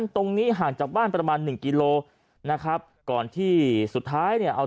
ห่างจากบ้านประมาณหนึ่งกิโลนะครับก่อนที่สุดท้ายเนี่ยเอา